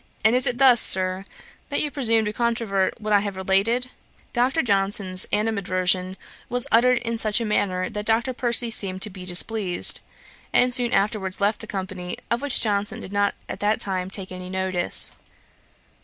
And is it thus, Sir, that you presume to controvert what I have related?' Dr. Johnson's animadversion was uttered in such a manner, that Dr. Percy seemed to be displeased, and soon afterwards left the company, of which Johnson did not at that time take any notice.